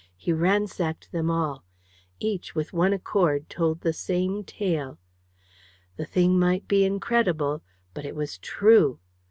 He ransacked them all. Each, with one accord, told the same tale. The thing might be incredible, but it was true!